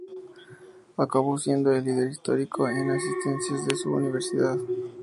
Acabó siendo el líder histórico en asistencias de su universidad.